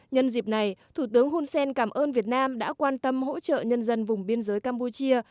nhân dịp này thủ tướng hun sen cảm ơn việt nam đã quan tâm hỗ trợ nhân dân vùng biên giới campuchia